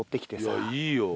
いやいいよ。